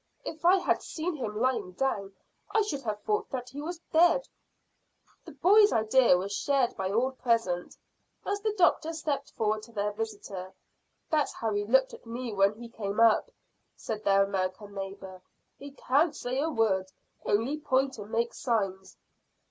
"If I had seen him lying down I should have thought that he was dead." The boy's idea was shared by all present, as the doctor stepped forward to their visitor. "That's how he looked at me when he came up," said their American neighbour. "He can't say a word only point and make signs."